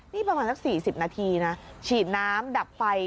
นี่ประมาณสัก๔๐นาทีนะฉีดน้ำดับไฟ